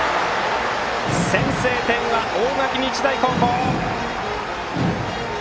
先制点は大垣日大高校！